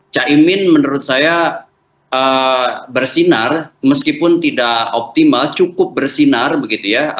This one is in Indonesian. caimin menurut saya bersinar meskipun tidak optimal cukup bersinar begitu ya